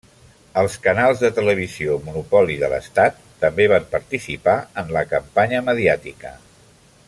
Els canals de televisió, monopoli de l'Estat, també van participar en la campanya mediàtica.